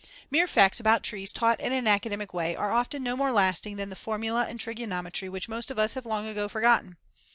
Mere facts about trees taught in an academic way are often no more lasting than the formulae in trigonometry which most of us have long ago forgotten.